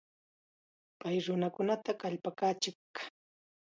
Pay nunakunata kallpakachin.